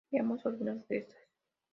Veamos algunas de estas.